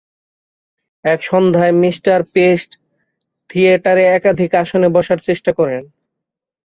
এক সন্ধ্যায় Mister Pest থিয়েটারে একাধিক আসনে বসার চেষ্টা করেন।